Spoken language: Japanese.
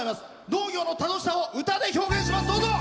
農業の楽しさを歌で表現します。